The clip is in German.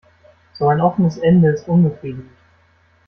So ein offenes Ende ist unbefriedigend.